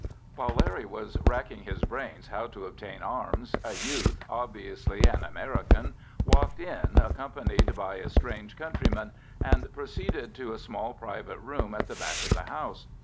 While Larry was racking his brains how to obtain arms, a youth, obviously an American, walked in, accompanied by a strange countryman, and proceeded to a small private room at the back of the house.